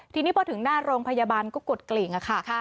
ทีนี้พอถึงหน้าโรงพยาบาลก็กดกลิ่งค่ะ